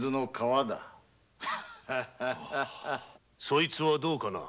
・そいつはどうかな！